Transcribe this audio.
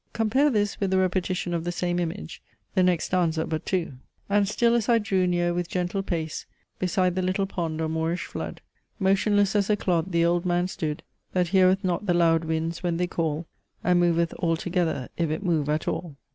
Compare this with the repetition of the same image, the next stanza but two. "And, still as I drew near with gentle pace, Beside the little pond or moorish flood Motionless as a Cloud the Old Man stood, That heareth not the loud winds when they call; And moveth altogether, if it move at all."